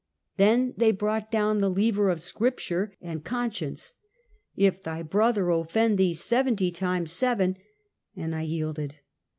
Then they brought down the lever of scripture and conscience: "If thy brother of fend thee seventy times seven," and I yielded.